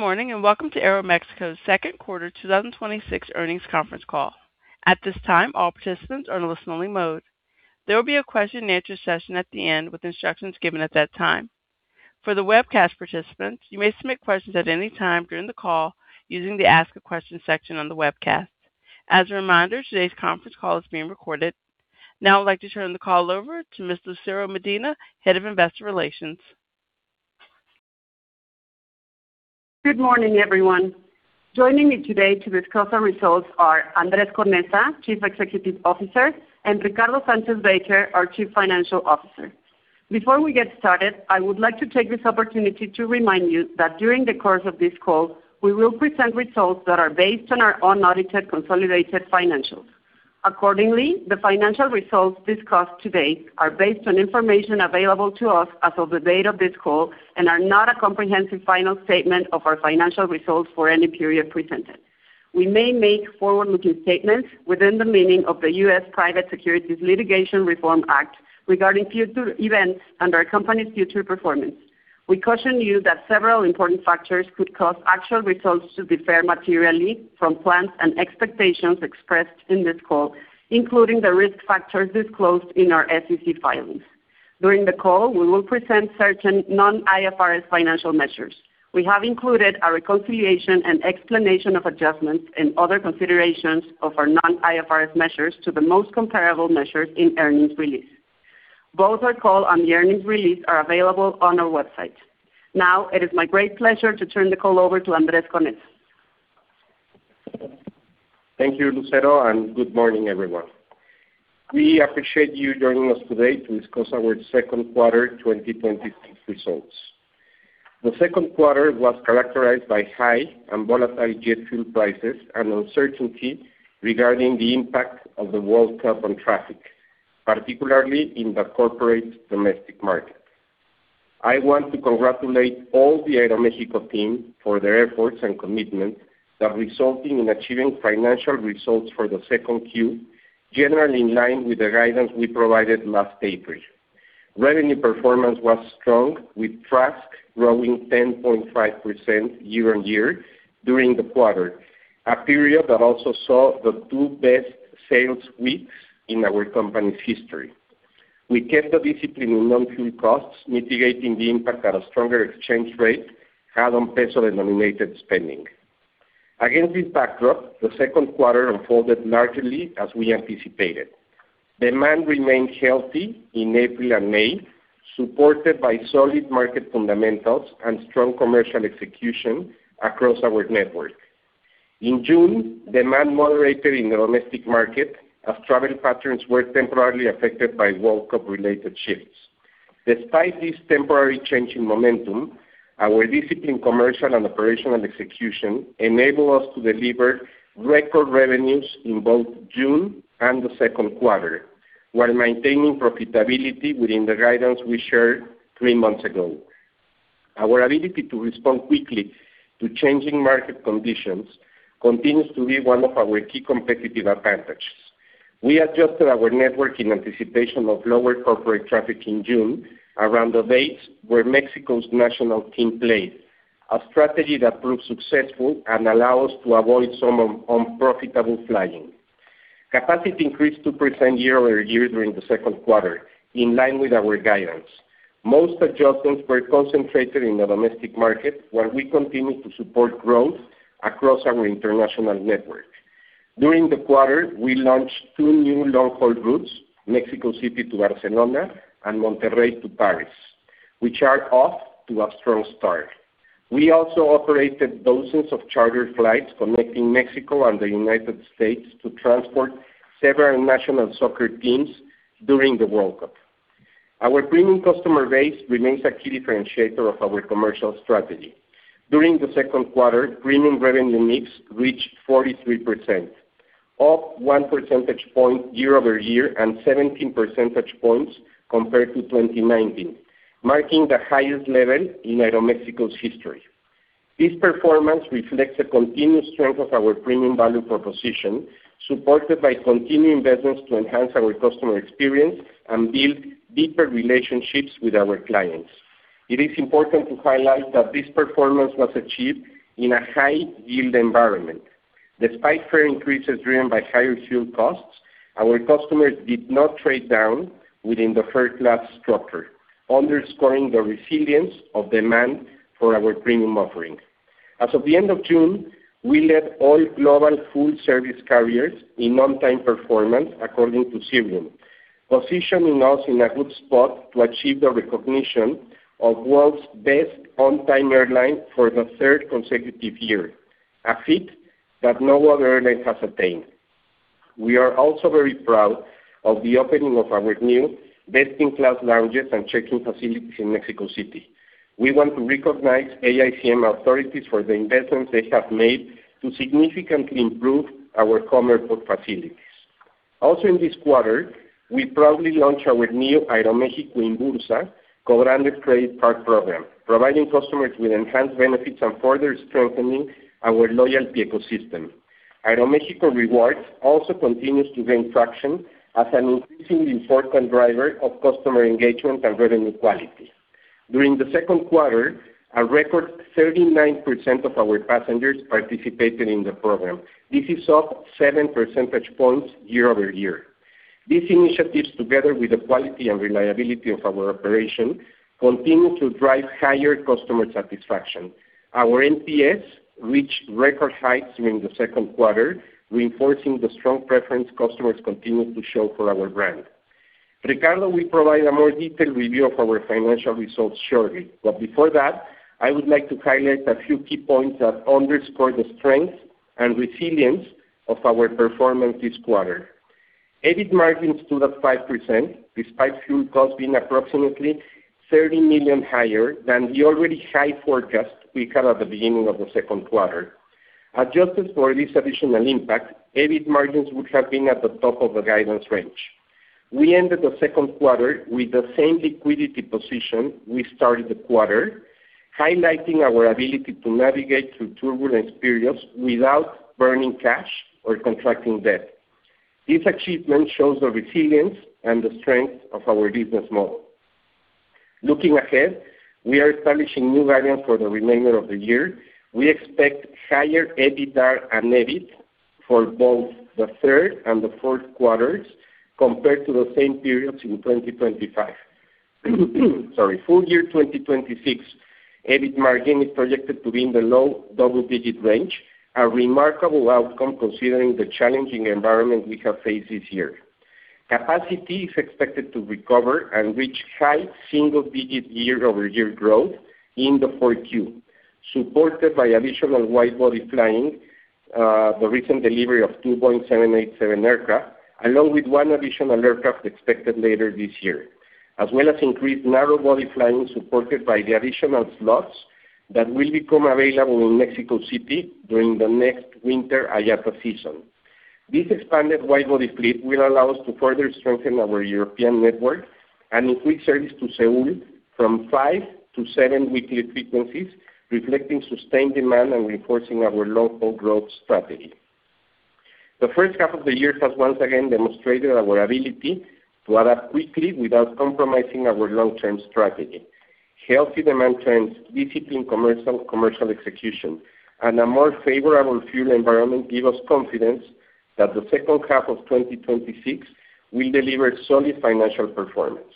Good morning, and welcome to Aeroméxico's second quarter 2026 earnings conference call. At this time, all participants are in listen-only mode. There will be a question and answer session at the end with instructions given at that time. For the webcast participants, you may submit questions at any time during the call using the Ask a Question section on the webcast. As a reminder, today's conference call is being recorded. Now I'd like to turn the call over to Ms. Lucero Medina, Head of Investor Relations. Good morning, everyone. Joining me today to discuss our results are Andrés Conesa, Chief Executive Officer, and Ricardo Sánchez Baker, our Chief Financial Officer. Before we get started, I would like to take this opportunity to remind you that during the course of this call, we will present results that are based on our unaudited consolidated financials. Accordingly, the financial results discussed today are based on information available to us as of the date of this call and are not a comprehensive final statement of our financial results for any period presented. We may make forward-looking statements within the meaning of the U.S. Private Securities Litigation Reform Act regarding future events and our company's future performance. We caution you that several important factors could cause actual results to differ materially from plans and expectations expressed in this call, including the risk factors disclosed in our SEC filings. During the call, we will present certain non-IFRS financial measures. We have included a reconciliation and explanation of adjustments and other considerations of our non-IFRS measures to the most comparable measures in earnings release. Both our call and the earnings release are available on our website. Now, it is my great pleasure to turn the call over to Andrés Conesa. Thank you, Lucero. Good morning, everyone. We appreciate you joining us today to discuss our second quarter 2026 results. The second quarter was characterized by high and volatile jet fuel prices and uncertainty regarding the impact of the World Cup on traffic, particularly in the corporate domestic market. I want to congratulate all the Aeroméxico team for their efforts and commitment that resulting in achieving financial results for the second Q, generally in line with the guidance we provided last April. Revenue performance was strong, with traffic growing 10.5% year-over-year during the quarter, a period that also saw the two best sales weeks in our company's history. We kept the discipline in non-fuel costs, mitigating the impact that a stronger exchange rate had on peso-denominated spending. Against this backdrop, the second quarter unfolded largely as we anticipated. Demand remained healthy in April and May, supported by solid market fundamentals and strong commercial execution across our network. In June, demand moderated in the domestic market as travel patterns were temporarily affected by World Cup-related shifts. Despite this temporary change in momentum, our disciplined commercial and operational execution enabled us to deliver record revenues in both June and the second quarter, while maintaining profitability within the guidance we shared three months ago. Our ability to respond quickly to changing market conditions continues to be one of our key competitive advantages. We adjusted our network in anticipation of lower corporate traffic in June around the dates where Mexico's national team played, a strategy that proved successful and allowed us to avoid some unprofitable flying. Capacity increased 2% year-over-year during the second quarter, in line with our guidance. Most adjustments were concentrated in the domestic market, while we continued to support growth across our international network. During the quarter, we launched two new long-haul routes, Mexico City to Barcelona and Monterrey to Paris, which are off to a strong start. We also operated dozens of charter flights connecting Mexico and the United States to transport several national soccer teams during the World Cup. Our premium customer base remains a key differentiator of our commercial strategy. During the second quarter, premium revenue mix reached 43%, up one percentage point year-over-year and 17 percentage points compared to 2019, marking the highest level in Aeroméxico's history. This performance reflects the continued strength of our premium value proposition, supported by continued investments to enhance our customer experience and build deeper relationships with our clients. It is important to highlight that this performance was achieved in a high-yield environment. Despite fare increases driven by higher fuel costs, our customers did not trade down within the first-class structure, underscoring the resilience of demand for our premium offering. As of the end of June, we led all global full-service carriers in on-time performance, according to Cirium, positioning us in a good spot to achieve the recognition of World's Best On-Time Airline for the third consecutive year, a feat that no other airline has attained. We are also very proud of the opening of our new best-in-class lounges and check-in facilities in Mexico City. We want to recognize AICM authorities for the investments they have made to significantly improve our commercial facilities. Also in this quarter, we proudly launched our new Aeroméxico Inbursa co-branded credit card program, providing customers with enhanced benefits and further strengthening our loyalty ecosystem. Aeroméxico Rewards also continues to gain traction as an increasingly important driver of customer engagement and revenue quality. During the second quarter, a record 39% of our passengers participated in the program. This is up seven percentage points year-over-year. These initiatives, together with the quality and reliability of our operation, continue to drive higher customer satisfaction. Our NPS reached record heights during the second quarter, reinforcing the strong preference customers continue to show for our brand. Ricardo will provide a more detailed review of our financial results shortly. Before that, I would like to highlight a few key points that underscore the strength and resilience of our performance this quarter. EBIT margins stood at 5%, despite fuel costs being approximately 30 million higher than the already high forecast we had at the beginning of the second quarter. Adjusted for this additional impact, EBIT margins would have been at the top of the guidance range. We ended the second quarter with the same liquidity position we started the quarter, highlighting our ability to navigate through turbulent periods without burning cash or contracting debt. This achievement shows the resilience and the strength of our business model. Looking ahead, we are establishing new guidance for the remainder of the year. We expect higher EBITDA and EBIT for both the third and the fourth quarters compared to the same periods in 2025. Sorry. Full year 2026 EBIT margin is projected to be in the low double-digit range, a remarkable outcome considering the challenging environment we have faced this year. Capacity is expected to recover and reach high single-digit year-over-year growth in the four Q, supported by additional wide-body flying, the recent delivery of two 787 aircraft, along with one additional aircraft expected later this year. As well as increased narrow-body flying, supported by the additional slots that will become available in Mexico City during the next winter IATA season. This expanded wide-body fleet will allow us to further strengthen our European network and increase service to Seoul from five to seven weekly frequencies, reflecting sustained demand and reinforcing our local growth strategy. The first half of the year has once again demonstrated our ability to adapt quickly without compromising our long-term strategy. Healthy demand trends, disciplined commercial execution, and a more favorable fuel environment give us confidence that the second half of 2026 will deliver solid financial performance.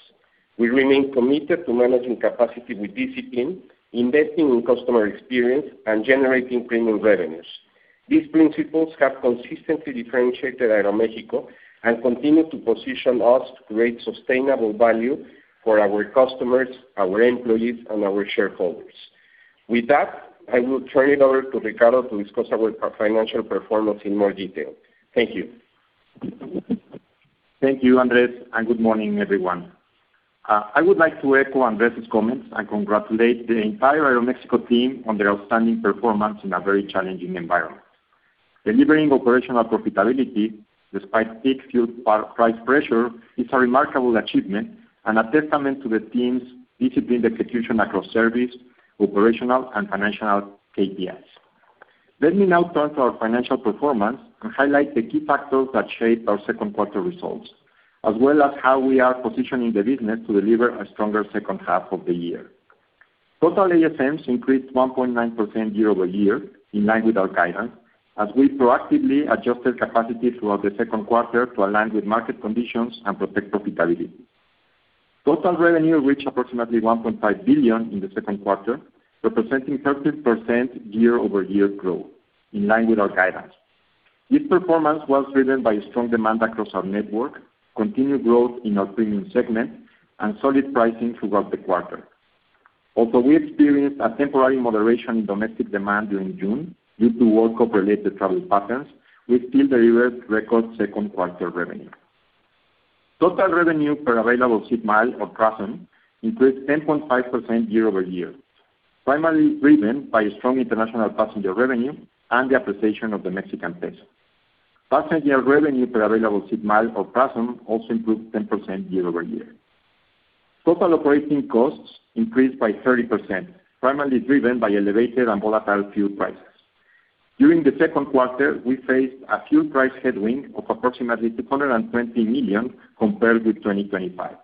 We remain committed to managing capacity with discipline, investing in customer experience, and generating premium revenues. These principles have consistently differentiated Aeroméxico and continue to position us to create sustainable value for our customers, our employees, and our shareholders. With that, I will turn it over to Ricardo to discuss our financial performance in more detail. Thank you. Thank you, Andrés, and good morning, everyone. I would like to echo Andrés' comments and congratulate the entire Aeroméxico team on their outstanding performance in a very challenging environment. Delivering operational profitability despite peak fuel price pressure is a remarkable achievement and a testament to the team's disciplined execution across service, operational, and financial KPIs. Let me now turn to our financial performance and highlight the key factors that shape our second quarter results, as well as how we are positioning the business to deliver a stronger second half of the year. Total ASMs increased 1.9% year-over-year, in line with our guidance, as we proactively adjusted capacity throughout the second quarter to align with market conditions and protect profitability. Total revenue reached approximately 1.5 billion in the second quarter, representing 30% year-over-year growth, in line with our guidance. This performance was driven by strong demand across our network, continued growth in our premium segment, and solid pricing throughout the quarter. Although we experienced a temporary moderation in domestic demand during June due to World Cup related travel patterns, we still delivered record second quarter revenue. Total Revenue per Available Seat Mile or TRASM increased 10.5% year-over-year, primarily driven by strong international passenger revenue and the appreciation of the Mexican peso. Passenger Revenue per Available Seat Mile or PRASM also improved 10% year-over-year. Total operating costs increased by 30%, primarily driven by elevated and volatile fuel prices. During the second quarter, we faced a fuel price headwind of approximately 220 million compared with 2025.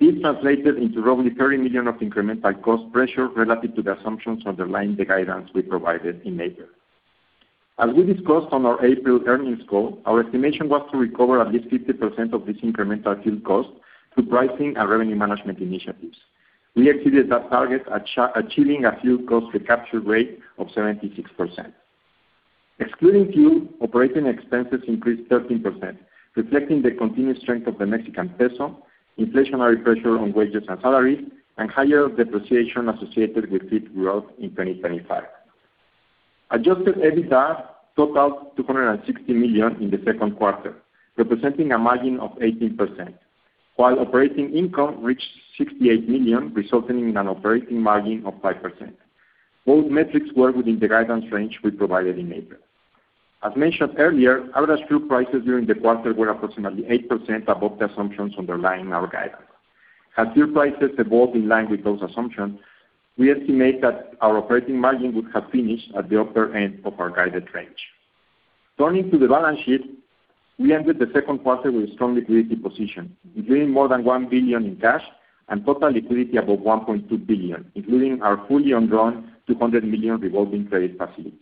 This translated into roughly 30 million of incremental cost pressure relative to the assumptions underlying the guidance we provided in April. As we discussed on our April earnings call, our estimation was to recover at least 50% of this incremental fuel cost through pricing and revenue management initiatives. We exceeded that target, achieving a fuel cost recapture rate of 76%. Excluding fuel, operating expenses increased 13%, reflecting the continued strength of the Mexican peso, inflationary pressure on wages and salaries, and higher depreciation associated with fleet growth in 2025. Adjusted EBITDAR totaled 260 million in the second quarter, representing a margin of 18%, while operating income reached 68 million, resulting in an operating margin of 5%. Both metrics were within the guidance range we provided in April. As mentioned earlier, average fuel prices during the quarter were approximately 8% above the assumptions underlying our guidance. Had fuel prices evolved in line with those assumptions, we estimate that our operating margin would have finished at the upper end of our guided range. Turning to the balance sheet, we ended the second quarter with a strong liquidity position, including more than 1 billion in cash and total liquidity above 1.2 billion, including our fully undrawn 200 million revolving credit facilities.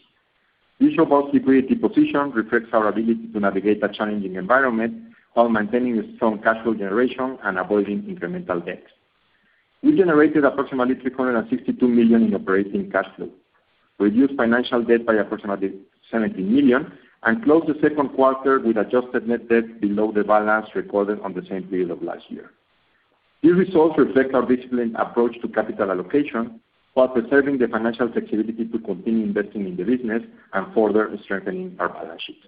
This robust liquidity position reflects our ability to navigate a challenging environment while maintaining strong cash flow generation and avoiding incremental debts. We generated approximately 362 million in operating cash flow, reduced financial debt by approximately 70 million, and closed the second quarter with adjusted net debt below the balance recorded on the same period of last year. These results reflect our disciplined approach to capital allocation, while preserving the financial flexibility to continue investing in the business and further strengthening our balance sheet.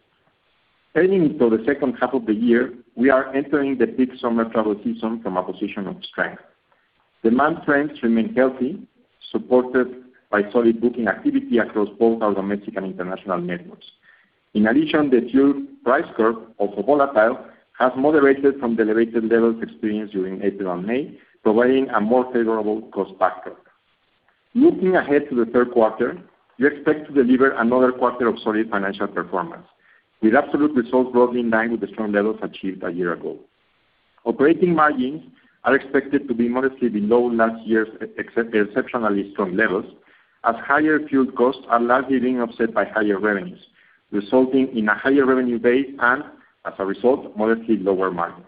Heading into the second half of the year, we are entering the peak summer travel season from a position of strength. Demand trends remain healthy, supported by solid booking activity across both our domestic and international networks. In addition, the fuel price curve, although volatile, has moderated from the elevated levels experienced during April and May, providing a more favorable cost backdrop. Looking ahead to the third quarter, we expect to deliver another quarter of solid financial performance, with absolute results broadly in line with the strong levels achieved a year-ago. Operating margins are expected to be modestly below last year's exceptionally strong levels, as higher fuel costs are largely being offset by higher revenues, resulting in a higher revenue base and, as a result, modestly lower margins.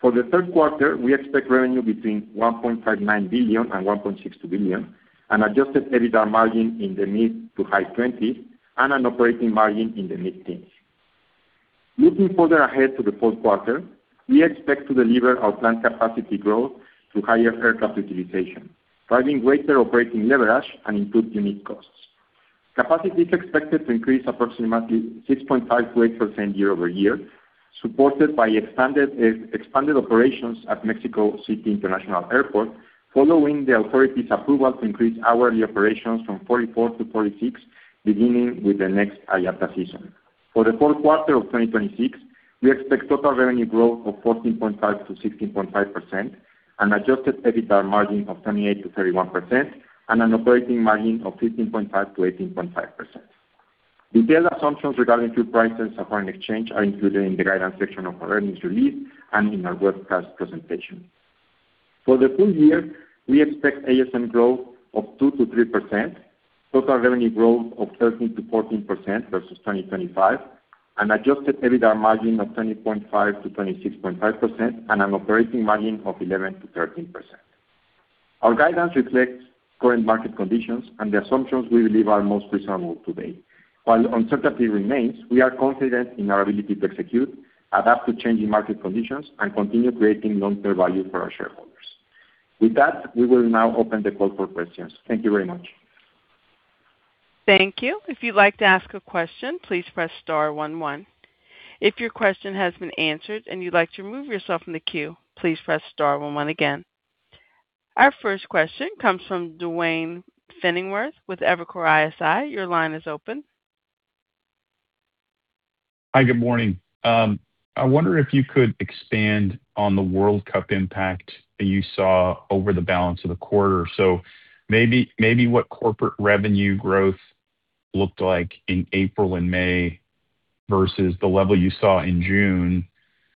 For the third quarter, we expect revenue between 1.59 billion and 1.62 billion, an adjusted EBITDAR margin in the mid-to-high 20s, and an operating margin in the mid-teens. Looking further ahead to the fourth quarter, we expect to deliver our planned capacity growth through higher aircraft utilization, driving greater operating leverage and improved unit costs. Capacity is expected to increase approximately 6.5%-8% year-over-year, supported by expanded operations at Mexico City International Airport following the authorities' approval to increase hourly operations from 44 to 46, beginning with the next IATA season. For the fourth quarter of 2026, we expect total revenue growth of 14.5%-16.5%, an adjusted EBITDA margin of 28%-31%, and an operating margin of 15.5%-18.5%. Detailed assumptions regarding fuel prices and foreign exchange are included in the guidance section of our earnings release and in our webcast presentation. For the full year, we expect ASM growth of 2%-3%, total revenue growth of 13%-14% versus 2025, an adjusted EBITDA margin of 20.5%-26.5%, and an operating margin of 11%-13%. Our guidance reflects current market conditions and the assumptions we believe are most reasonable today. While uncertainty remains, we are confident in our ability to execute, adapt to changing market conditions, and continue creating long-term value for our shareholders. With that, we will now open the call for questions. Thank you very much. Thank you. If you'd like to ask a question, please press star one one. If your question has been answered and you'd like to remove yourself from the queue, please press star one one again. Our first question comes from Duane Pfennigwerth with Evercore ISI. Your line is open. Hi, good morning. I wonder if you could expand on the World Cup impact that you saw over the balance of the quarter. Maybe what corporate revenue growth looked like in April and May versus the level you saw in June,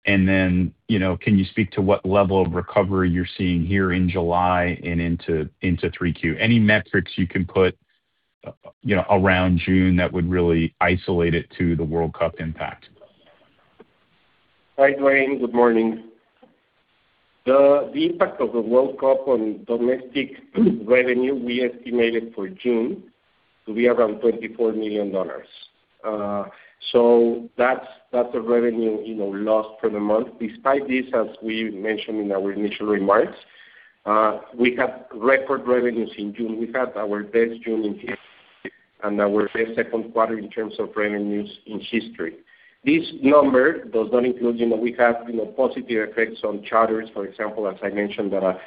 and then, can you speak to what level of recovery you're seeing here in July and into 3Q? Any metrics you can put around June that would really isolate it to the World Cup impact. Hi, Duane. Good morning. The impact of the World Cup on domestic revenue, we estimated for June to be around MXN 24 million. That's the revenue loss for the month. Despite this, as we mentioned in our initial remarks, we had record revenues in June. We had our best June in history, and our best second quarter in terms of revenues in history. This number does not include, we have positive effects on charters, for example, as I mentioned, that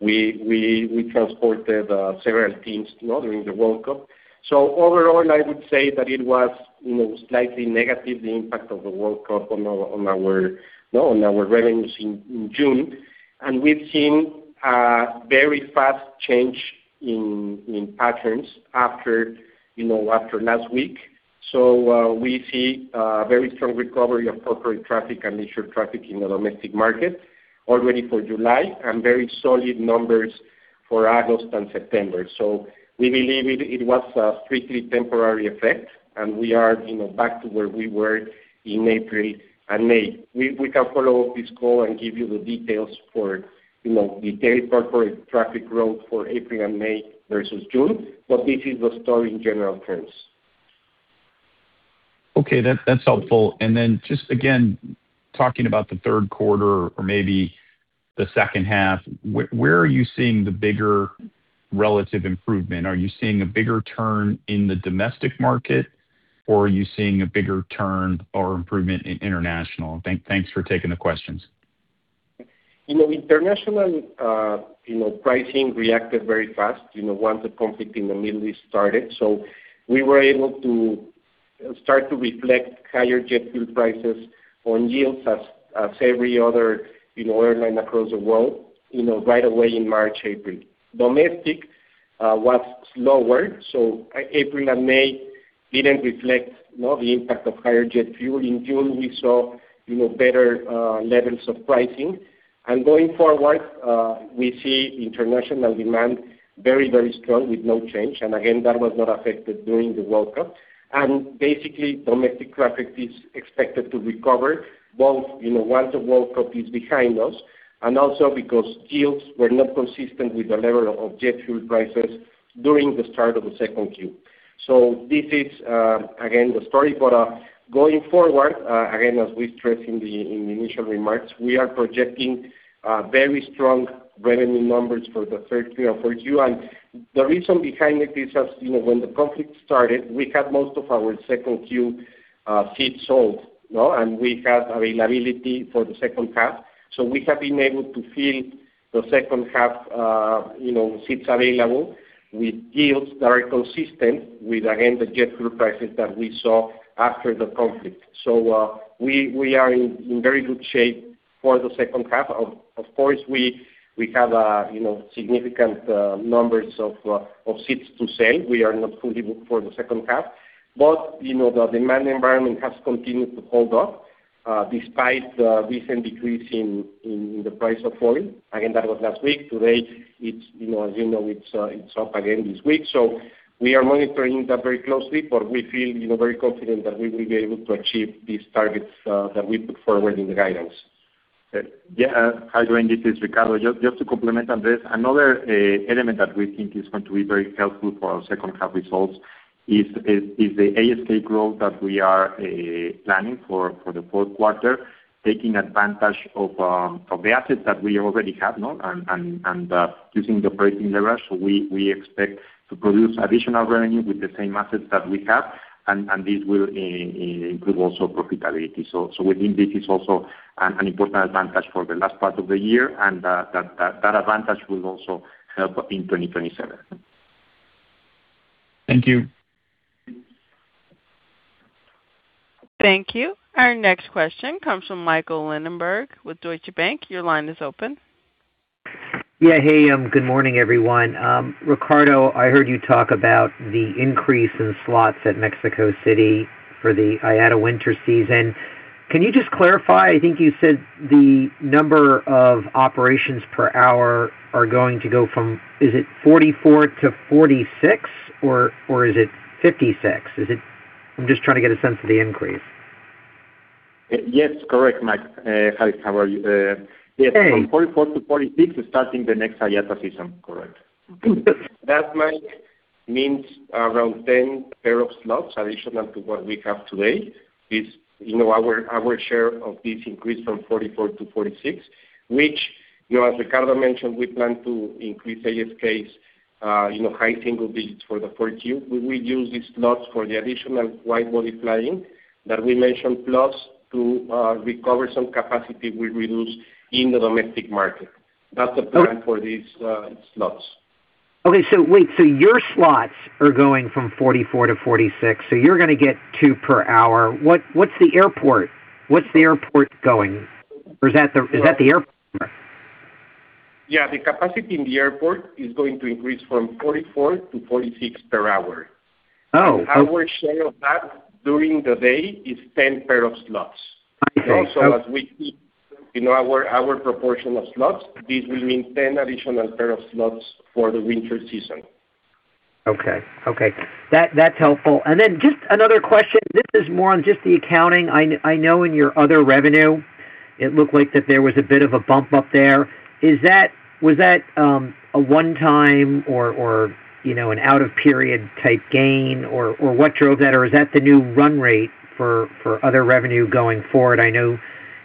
we transported several teams too, during the World Cup. Overall, I would say that it was slightly negative, the impact of the World Cup on our revenues in June. We've seen a very fast change in patterns after last week. We see a very strong recovery of corporate traffic and leisure traffic in the domestic market already for July, and very solid numbers for August and September. We believe it was a strictly temporary effect, and we are back to where we were in April and May. We can follow up this call and give you the details for the daily corporate traffic growth for April and May versus June, but this is the story in general terms. Okay, that's helpful. Then just again, talking about the third quarter or maybe the second half, where are you seeing the bigger relative improvement? Are you seeing a bigger turn in the domestic market, or are you seeing a bigger turn or improvement in international? Thanks for taking the questions. International pricing reacted very fast once the conflict in the Middle East started. We were able to Start to reflect higher jet fuel prices on yields as every other airline across the world right away in March, April. Domestic was slower. April and May didn't reflect the impact of higher jet fuel. In June, we saw better levels of pricing. Going forward, we see international demand very strong with no change. Again, that was not affected during the World Cup. Domestic traffic is expected to recover once the World Cup is behind us, and also because yields were not consistent with the level of jet fuel prices during the start of the second Q. This is, again, the story for us going forward, again, as we stressed in the initial remarks. We are projecting very strong revenue numbers for the third Q and fourth Q. The reason behind it is when the conflict started, we had most of our second Q seats sold. We had availability for the second half. We have been able to fill the second half seats available with yields that are consistent with, again, the jet fuel prices that we saw after the conflict. We are in very good shape for the second half. Of course, we have significant numbers of seats to sell. We are not fully booked for the second half, but the demand environment has continued to hold up despite the recent decrease in the price of oil. Again, that was last week. Today, as you know, it's up again this week. We are monitoring that very closely, but we feel very confident that we will be able to achieve these targets that we put forward in the guidance. Hi, Duane, this is Ricardo. Just to complement Andrés, another element that we think is going to be very helpful for our second half results is the ASK growth that we are planning for the fourth quarter, taking advantage of the assets that we already have now and using the operating leverage. We expect to produce additional revenue with the same assets that we have, and this will improve also profitability. We think this is also an important advantage for the last part of the year, and that advantage will also help in 2027. Thank you. Thank you. Our next question comes from Michael Linenberg with Deutsche Bank. Your line is open. Yeah. Hey, good morning, everyone. Ricardo, I heard you talk about the increase in slots at Mexico City for the IATA winter season. Can you just clarify, I think you said the number of operations per hour are going to go from, is it 44 to 46, or is it 56? I'm just trying to get a sense of the increase. Yes, correct, Mike. Hi, how are you? Hey. Yes, from 44 to 46 starting the next IATA season. Correct. That, Mike, means around 10 pair of slots additional to what we have today, is our share of this increase from 44 to 46, which as Ricardo mentioned, we plan to increase ASK high single digits for the fourth Q. We use these slots for the additional wide-body flying that we mentioned, plus to recover some capacity we reduced in the domestic market. That's the plan for these slots. Wait, your slots are going from 44 to 46. You're going to get two per hour. What's the airport going? Or is that the airport? Yeah, the capacity in the airport is going to increase from 44 to 46 per hour. Okay. Our share of that during the day is 10 pair of slots. I see. As we keep our proportion of slots, this will mean 10 additional pair of slots for the winter season. Okay. That's helpful. Just another question. This is more on just the accounting. I know in your other revenue, it looked like that there was a bit of a bump up there. Was that a one-time or an out-of-period type gain or what drove that? Is that the new run rate for other revenue going forward? I know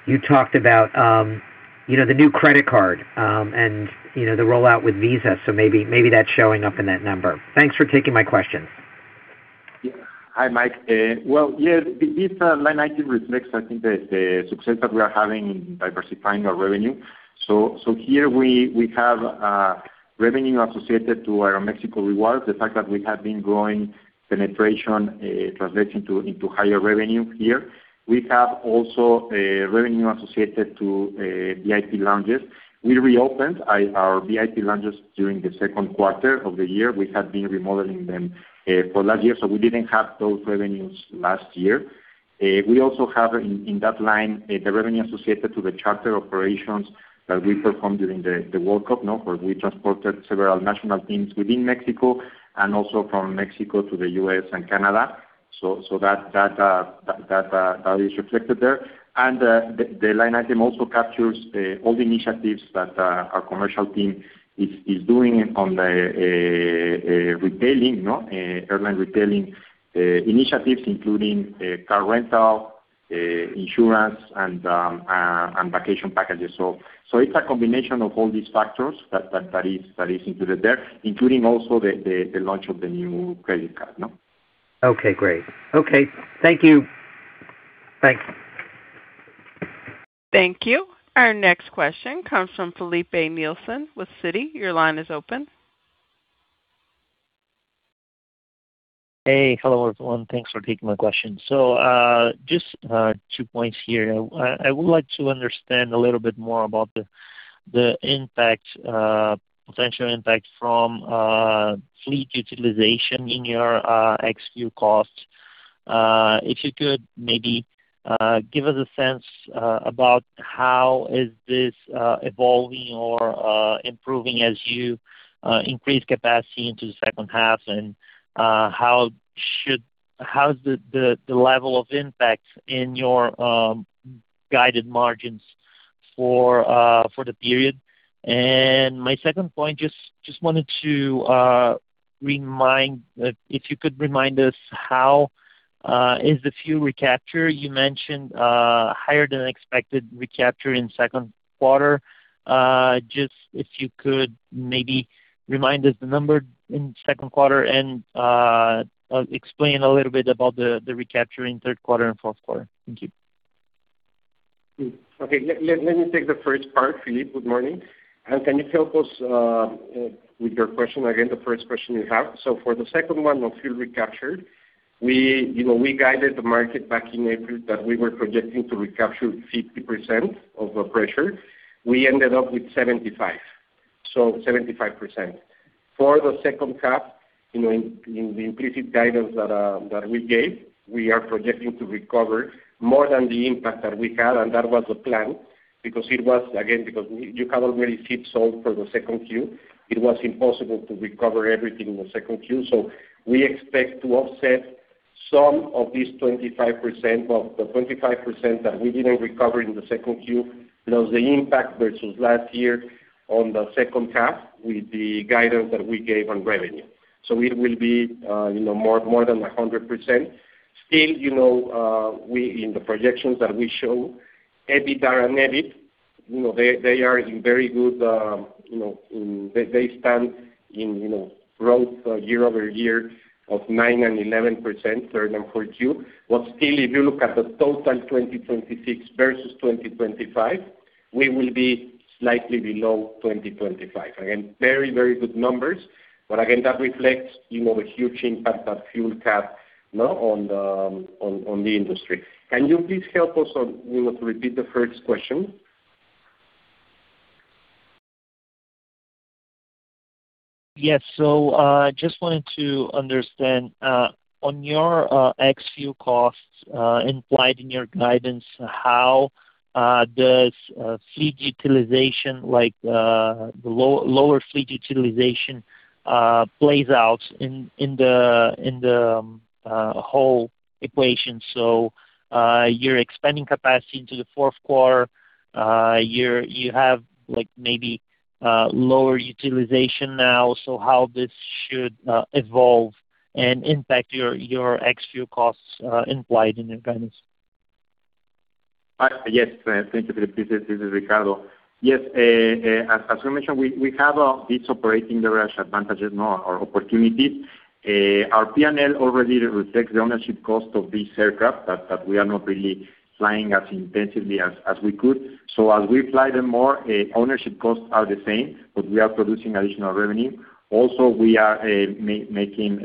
you talked about the new credit card, and the rollout with Visa, maybe that's showing up in that number. Thanks for taking my question. Hi, Mike. Yes, this line item reflects, I think, the success that we are having in diversifying our revenue. Here we have revenue associated to our Aeroméxico Rewards. The fact that we have been growing penetration translating into higher revenue here. We have also revenue associated to VIP lounges. We reopened our VIP lounges during the second quarter of the year. We had been remodeling them for last year, we didn't have those revenues last year. We also have in that line, the revenue associated to the charter operations that we performed during the World Cup, where we transported several national teams within Mexico and also from Mexico to the U.S. and Canada. That is reflected there. The line item also captures all the initiatives that our commercial team is doing on the retailing, airline retailing initiatives, including car rental, insurance, and vacation packages. It's a combination of all these factors that is included there, including also the launch of the new credit card. Okay, great. Okay, thank you. Thanks. Thank you. Our next question comes from Filipe Nielsen with Citi. Your line is open. Hey. Hello, everyone. Thanks for taking my question. Just two points here. I wou ld like to understand a little bit more about the potential impact from fleet utilization in your ex-fuel costs. If you could maybe give us a sense about how is this evolving or improving as you increase capacity into the second half, and how is the level of impact in your guided margins for the period? My second point, if you could remind us how is the fuel recapture. You mentioned higher than expected recapture in second quarter. Just if you could maybe remind us the number in second quarter and explain a little bit about the recapture in third quarter and fourth quarter. Thank you. Okay. Let me take the first part, Filipe. Good morning. Can you help us with your question again, the first question you have? For the second one on fuel recapture, we guided the market back in April that we were projecting to recapture 50% of the pressure. We ended up with 75%. For the second half, in the implicit guidance that we gave, we are projecting to recover more than the impact that we had, and that was the plan. You have already seats sold for the second Q. It was impossible to recover everything in the second Q. We expect to offset some of this 25% that we didn't recover in the second Q, the impact versus last year on the second half with the guidance that we gave on revenue. It will be more than 100%. Still, in the projections that we show, EBITDA and EBIT, they stand in growth year-over-year of 9% and 11%, third and fourth Q. Still, if you look at the total 2026 versus 2025, we will be slightly below 2025. Again, very good numbers. Again, that reflects the huge impact that fuel had on the industry. Can you please help us on, you know, to repeat the first question? Yes. Just wanted to understand, on your ex-fuel costs implied in your guidance, how does fleet utilization, like the lower fleet utilization plays out in the whole equation? You're expanding capacity into the fourth quarter. You have maybe lower utilization now. How this should evolve and impact your ex-fuel costs implied in your guidance? Yes. Thank you for the repeat. This is Ricardo. Yes. As we mentioned, we have these operating leverage advantages or opportunities. Our P&L already reflects the ownership cost of these aircraft that we are not really flying as intensively as we could. As we fly them more, ownership costs are the same, we are producing additional revenue. We are making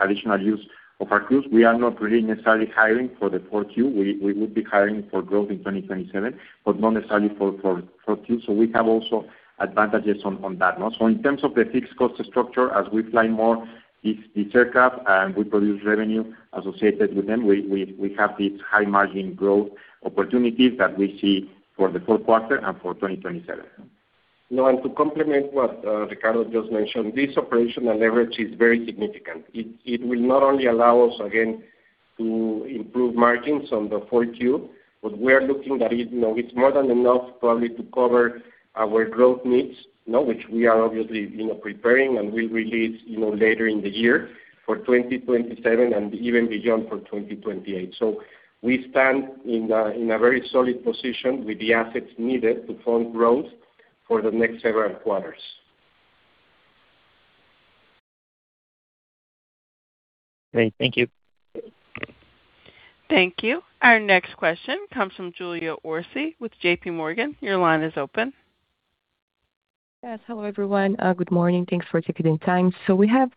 additional use of our crews. We are not really necessarily hiring for the fourth Q. We would be hiring for growth in 2027, not necessarily for Q. We have also advantages on that. In terms of the fixed cost structure, as we fly more these aircraft and we produce revenue associated with them, we have these high margin growth opportunities that we see for the fourth quarter and for 2027. To complement what Ricardo just mentioned, this operational leverage is very significant. It will not only allow us, again, to improve margins on the fourth Q, but we are looking that it's more than enough probably to cover our growth needs now, which we are obviously preparing and will release later in the year for 2027 and even beyond for 2028. We stand in a very solid position with the assets needed to fund growth for the next several quarters. Great. Thank you. Thank you. Our next question comes from Julia Orsi with JPMorgan. Your line is open. Yes. Hello, everyone. Good morning. Thanks for taking the time. We have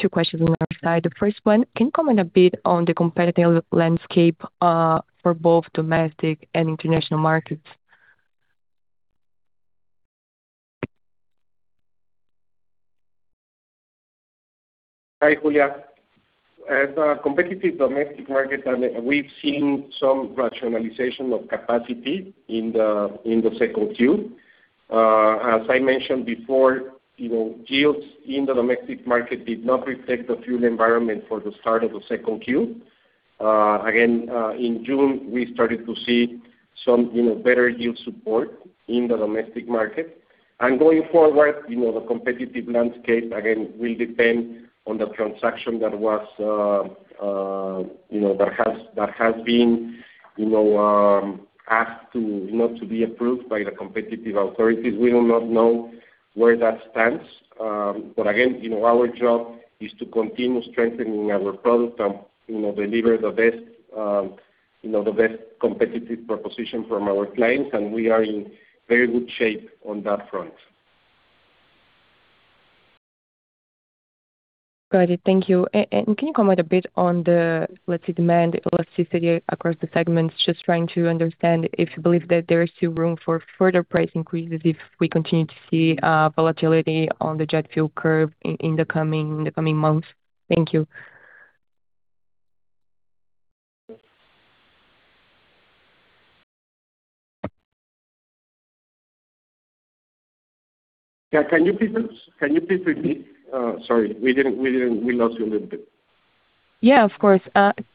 two questions on our side. The first one, can you comment a bit on the competitive landscape for both domestic and international markets? Hi, Julia. As a competitive domestic market, we've seen some rationalization of capacity in the second Q. As I mentioned before, yields in the domestic market did not reflect the fuel environment for the start of the second Q. In June, we started to see some better yield support in the domestic market. Going forward, the competitive landscape, again, will depend on the transaction that has been asked to not to be approved by the competitive authorities. We do not know where that stands. Again, our job is to continue strengthening our product and deliver the best competitive proposition from our clients, and we are in very good shape on that front. Got it. Thank you. Can you comment a bit on the, let's say, demand elasticity across the segments? Just trying to understand if you believe that there is still room for further price increases if we continue to see volatility on the jet fuel curve in the coming months. Thank you. Can you please repeat? Sorry, we lost you a little bit. Yeah, of course.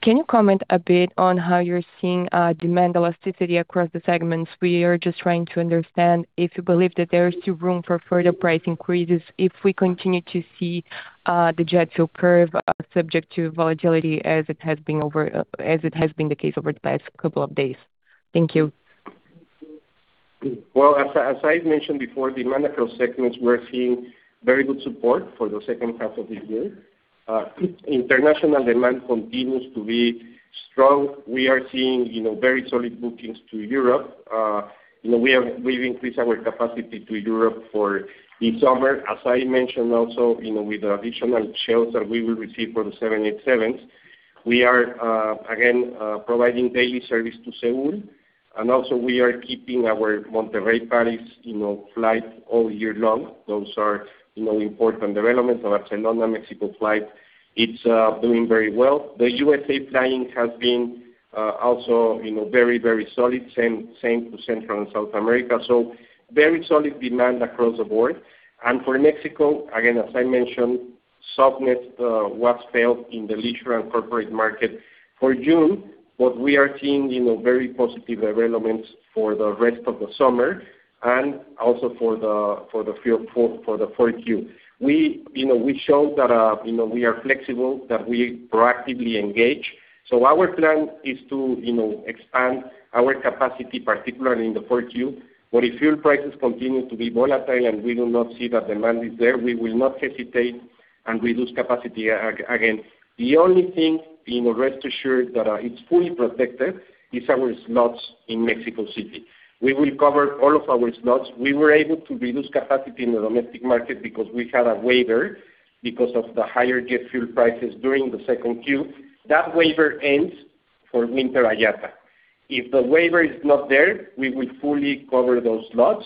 Can you comment a bit on how you're seeing demand elasticity across the segments? We are just trying to understand if you believe that there is still room for further price increases if we continue to see the jet fuel curve subject to volatility as it has been the case over the past couple of days. Thank you. As I mentioned before, demand across segments, we're seeing very good support for the second half of this year. International demand continues to be strong. We are seeing very solid bookings to Europe. We've increased our capacity to Europe for the summer. As I mentioned also, with the additional shells that we will receive for the 787s, we are, again, providing daily service to Seoul. We are keeping our Monterrey-Paris flight all year long. Those are important developments. Our Barcelona-Mexico flight, it's doing very well. The U.S.A. planning has been also very solid. Same to Central and South America. Very solid demand across the board. For Mexico, again, as I mentioned, softness was felt in the leisure and corporate market for June. We are seeing very positive developments for the rest of the summer and also for the fourth Q. We showed that we are flexible, that we proactively engage. Our plan is to expand our capacity, particularly in the fourth Q. If fuel prices continue to be volatile and we do not see that demand is there, we will not hesitate and reduce capacity again. The only thing, rest assured, that it's fully protected is our slots in Mexico City. We will cover all of our slots. We were able to reduce capacity in the domestic market because we had a waiver because of the higher jet fuel prices during the second Q. That waiver ends for winter IATA. If the waiver is not there, we will fully cover those slots.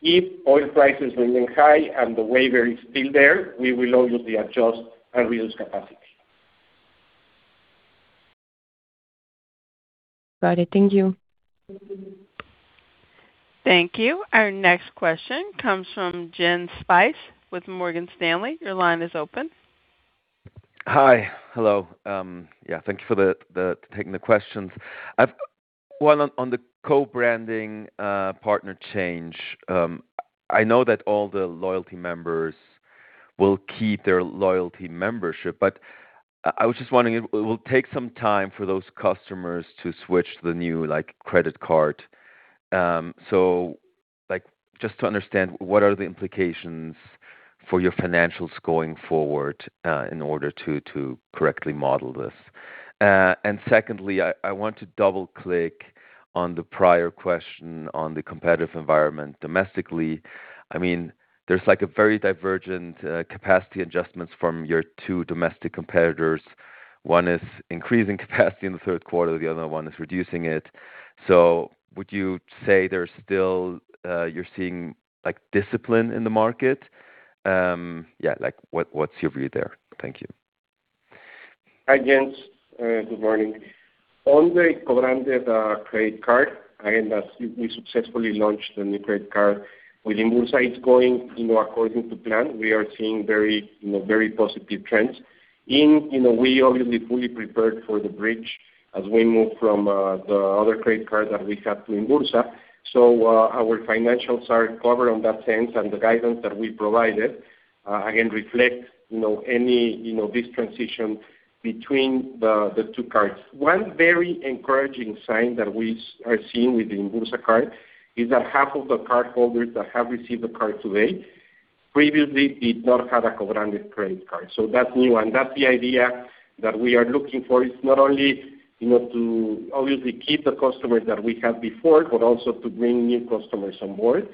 If oil prices remain high and the waiver is still there, we will obviously adjust and reduce capacity. Got it. Thank you. Thank you. Our next question comes from Jens Spiess with Morgan Stanley. Your line is open. Hi. Hello. Thank you for taking the questions. One, on the co-branding partner change. I know that all the loyalty members will keep their loyalty membership, but I was just wondering, it will take some time for those customers to switch to the new credit card. Just to understand, what are the implications for your financials going forward, in order to correctly model this? Secondly, I want to double-click on the prior question on the competitive environment domestically. There's very divergent capacity adjustments from your two domestic competitors. One is increasing capacity in the third quarter, the other one is reducing it. Would you say you're seeing discipline in the market? What's your view there? Thank you. Hi, Jens. Good morning. On the co-branded credit card, again, we successfully launched the new credit card with Inbursa. It's going according to plan. We are seeing very positive trends. We obviously fully prepared for the bridge as we move from the other credit card that we had to Inbursa. Our financials are covered on that sense, and the guidance that we provided, again, reflect this transition between the two cards. One very encouraging sign that we are seeing with the Inbursa card is that half of the cardholders that have received the card to date previously did not have a co-branded credit card. That's new, and that's the idea that we are looking for. It's not only to obviously keep the customers that we had before, but also to bring new customers on board.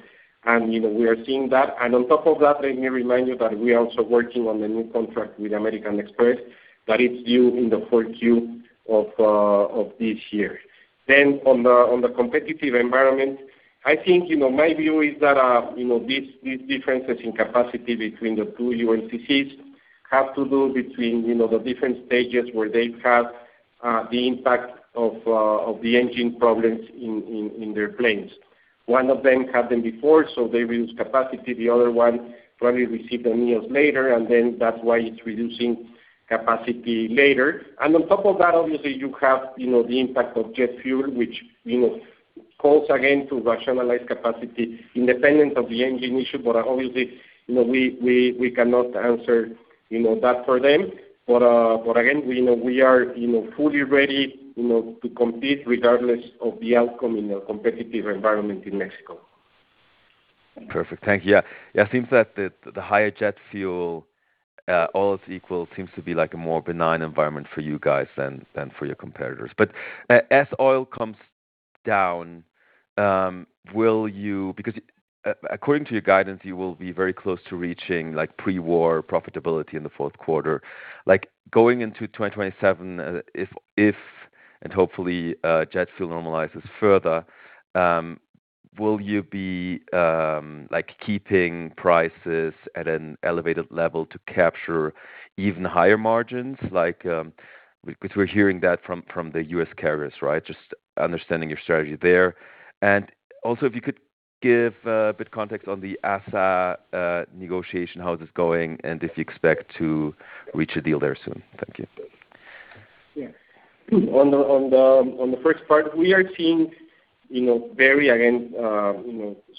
We are seeing that. On top of that, let me remind you that we are also working on the new contract with American Express that is due in the fourth Q of this year. On the competitive environment, my view is that these differences in capacity between the two ULCCs have to do between the different stages where they've had the impact of the engine problems in their planes. One of them had them before, so they reduced capacity. The other one probably received the news later, and that's why it's reducing capacity later. On top of that, obviously, you have the impact of jet fuel, which calls again to rationalize capacity independent of the engine issue. Obviously, we cannot answer that for them. Again, we are fully ready to compete regardless of the outcome in the competitive environment in Mexico. Perfect. Thank you. Yeah. It seems that the higher jet fuel All else equal, seems to be a more benign environment for you guys than for your competitors. As oil comes down, according to your guidance, you will be very close to reaching pre-war profitability in the fourth quarter. Going into 2027, if, hopefully jet fuel normalizes further, will you be keeping prices at an elevated level to capture even higher margins? Because we're hearing that from the U.S. carriers. Just understanding your strategy there. Also, if you could give a bit of context on the ASA negotiation, how is this going, and if you expect to reach a deal there soon. Thank you. We are seeing very again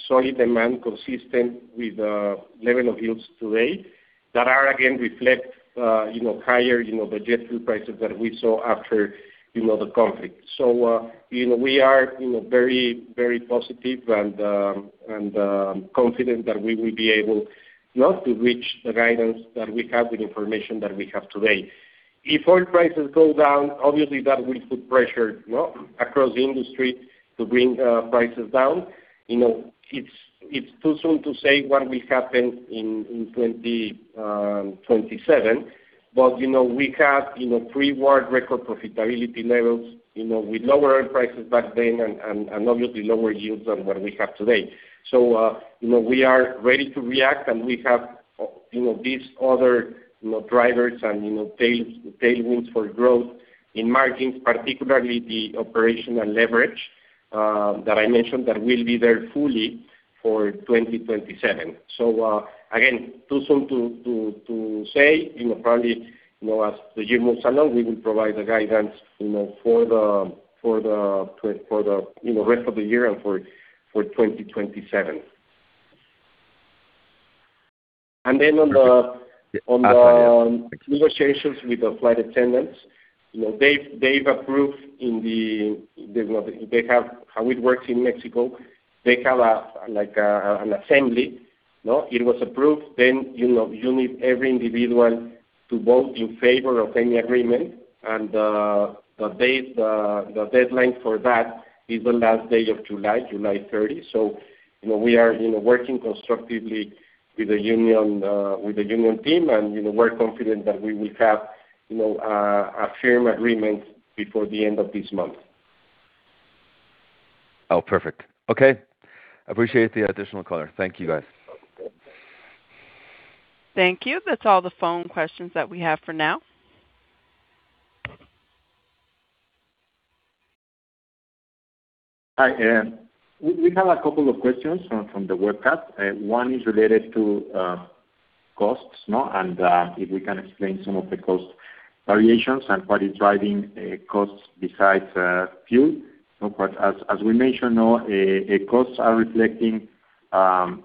solid demand consistent with the level of yields today that again reflect higher jet fuel prices that we saw after the conflict. We are very positive and confident that we will be able not to reach the guidance that we have with information that we have today. If oil prices go down, obviously that will put pressure across the industry to bring prices down. It's too soon to say what will happen in 2027. We have pre-war record profitability levels with lower oil prices back then and obviously lower yields than what we have today. We are ready to react, and we have these other drivers and tailwinds for growth in margins, particularly the operational leverage that I mentioned, that will be there fully for 2027. Again, too soon to say. Probably, as the year moves along we will provide the guidance for the rest of the year and for 2027. On the negotiations with the flight attendants, they've approved in the How it works in Mexico, they have an assembly. It was approved, you need every individual to vote in favor of any agreement. The deadline for that is the last day of July 30th. We are working constructively with the union team, and we are confident that we will have a firm agreement before the end of this month. Oh, perfect. Okay. Appreciate the additional color. Thank you, guys. Thank you. That's all the phone questions that we have for now. Hi. We have a couple of questions from the webcast. One is related to costs, and if we can explain some of the cost variations and what is driving costs besides fuel. As we mentioned, costs are reflecting as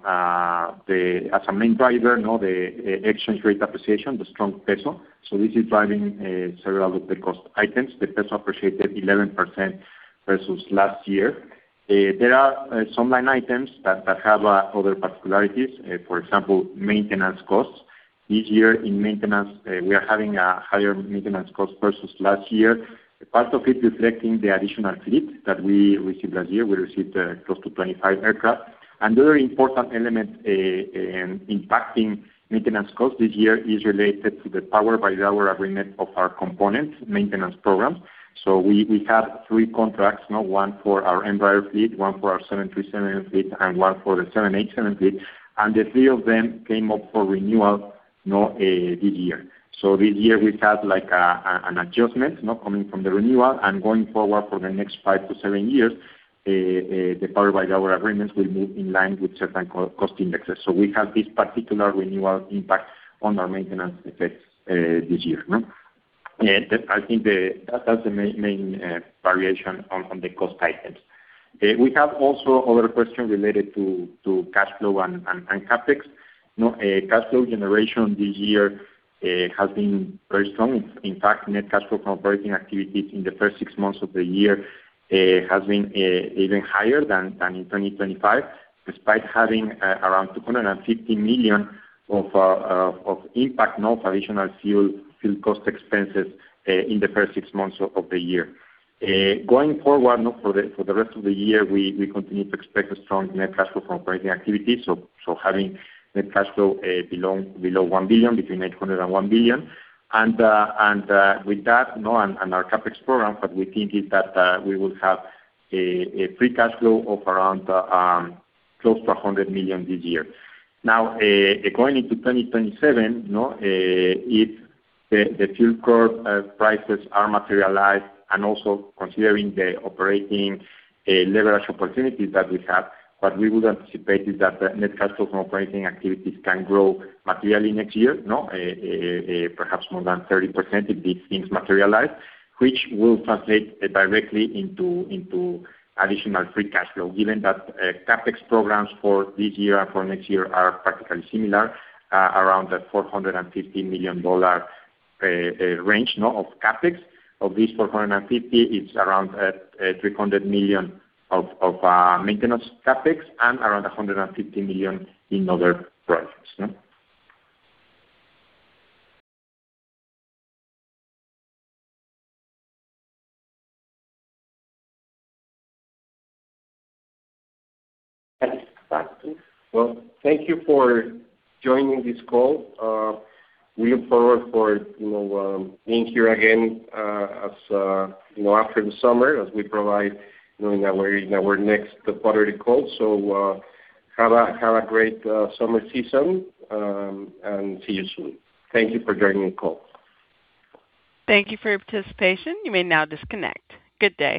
a main driver, the exchange rate appreciation, the strong peso. This is driving several of the cost items. The peso appreciated 11% versus last year. There are some line items that have other particularities. For example, maintenance costs. This year in maintenance, we are having a higher maintenance cost versus last year. Part of it reflecting the additional fleet that we received last year. We received close to 25 aircraft. Another important element impacting maintenance costs this year is related to the Power by the Hour agreement of our components maintenance programs. We have three contracts now, one for our Embraer fleet, one for our 737 fleet, and one for the 787 fleet. The three of them came up for renewal this year. This year we've had an adjustment coming from the renewal, and going forward for the next five to seven years, the Power by the Hour agreements will move in line with certain cost indexes. We have this particular renewal impact on our maintenance effects this year. I think that's the main variation on the cost items. We have also other questions related to cash flow and CapEx. Cash flow generation this year has been very strong. In fact, net cash flow from operating activities in the first six months of the year has been even higher than in 2025, despite having around 250 million of impact, additional fuel cost expenses in the first six months of the year. Going forward for the rest of the year, we continue to expect a strong net cash flow from operating activities. Having net cash flow below 1 billion, between 800 million and MXN 1 billion. With that and our CapEx program, what we think is that we will have a free cash flow of around close to 100 million this year. Now, going into 2027, if the fuel prices are materialized and also considering the operating leverage opportunities that we have, what we would anticipate is that the net cash flow from operating activities can grow materially next year. Perhaps more than 30% if these things materialize, which will translate directly into additional free cash flow, given that CapEx programs for this year and for next year are practically similar, around the MXN 450 million range of CapEx. Of this 450 million, it's around 300 million of maintenance CapEx and around 150 million in other projects. Well, thank you for joining this call. We look forward for being here again after the summer as we provide our next quarterly call. Have a great summer season, and see you soon. Thank you for joining the call. Thank you for your participation. You may now disconnect. Good day